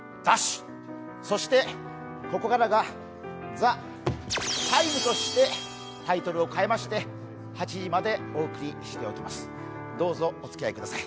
そして、ここからが「ＴＨＥＴＩＭＥ，」としてタイトルを変えまして８時までお送りしていきます。